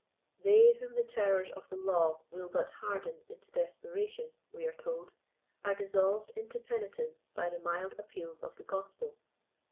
They whom the terrors of the law will but harden into desperation, we are told, are dis solved into penitence by the mild appeals of the gospel.